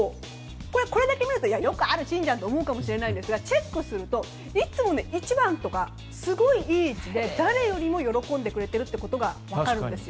これだけ見るとよくあるシーンだと思いますがチェックすると、いつも１番とかすごいいい位置で誰よりも喜んでくれているというのが分かるんですよ。